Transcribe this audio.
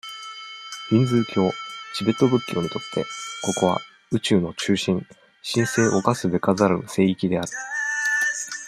ヒンズー教、チベット仏教にとって、ここは、宇宙の中心、神聖侵すべからざる聖域である。